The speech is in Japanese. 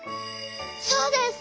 そうです！